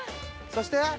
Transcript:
そして？